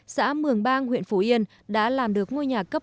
xã mường bang huyện phủ yên đã làm được ngôi nhà cấp